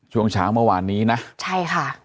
ช่วงเช้าเมื่อวานนี้นะใช่ค่ะ